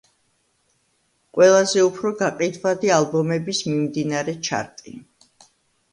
ყველაზე უფრო გაყიდვადი ალბომების მიმდინარე ჩარტი.